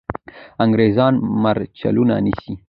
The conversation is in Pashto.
انګریزان مرچلونه نیسي.